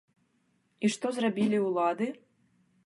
І што зрабілі ўлады?